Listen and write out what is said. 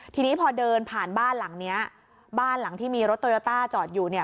ทีนี้พอเดินผ่านบ้านหลังเนี้ยบ้านหลังที่มีรถโตโยต้าจอดอยู่เนี่ย